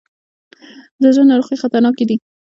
د زړه ناروغۍ خطرناکې دي.